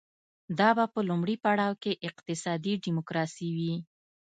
دا به په لومړي پړاو کې اقتصادي ډیموکراسي وي.